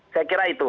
saya kira itu